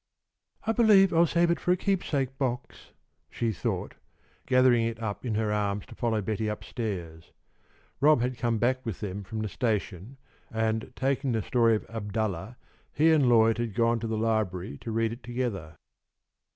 "I believe I'll save it for a keepsake box," she thought, gathering it up in her arms to follow Betty up stairs. Rob had come back with them from the station, and, taking the story of "Abdallah," he and Lloyd had gone to the library to read it together.